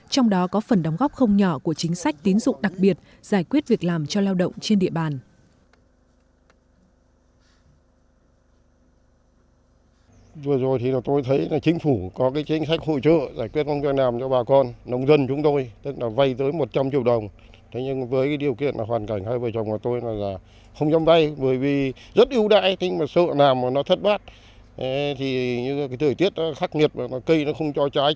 trong đó có phần đóng góp không nhỏ của chính sách tín dụng đặc biệt giải quyết việc làm cho lao động trên địa bàn